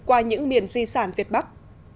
qua những miền di sản việt bắc